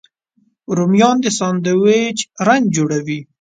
رومیان د ساندویچ رنګ جوړوي